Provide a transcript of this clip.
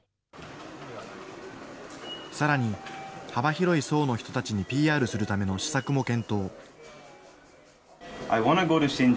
さらに、幅広い層の人たちにＰＲするための施策も検討。